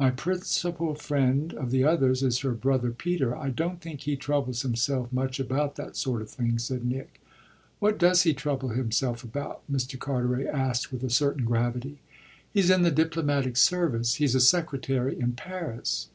"My principal friend, of the others, is her brother Peter. I don't think he troubles himself much about that sort of thing," said Nick. "What does he trouble himself about?" Mr. Carteret asked with a certain gravity. "He's in the diplomatic service; he's a secretary in Paris."